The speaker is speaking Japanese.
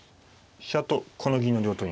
飛車とこの銀の両取り。